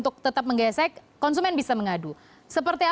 tapi kemudian kami lihat mungkin seperti